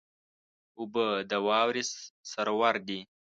اوبه د واورې سرور دي.